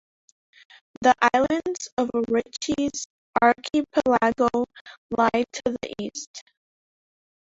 The islands of Ritchie's Archipelago lie to the east.